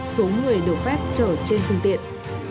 số người được phép chở trên phương tiện